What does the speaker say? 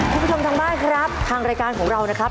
คุณผู้ชมทั้งบ้านครับทางรายการของเรานะครับ